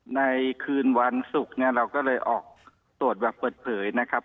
ในคืนวันศุกร์เนี่ยเราก็เลยออกตรวจแบบเปิดเผยนะครับ